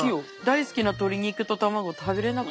大好きな鶏肉と卵食べれなくなっちゃう。